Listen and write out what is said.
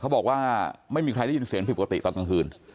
บอกว่าไม่มีใครได้ยินเสียงผิดปกติตอนกลางคืน